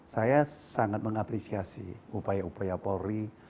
saya sangat mengapresiasi upaya upaya polri